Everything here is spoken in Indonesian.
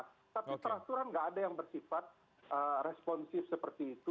tapi peraturan nggak ada yang bersifat responsif seperti itu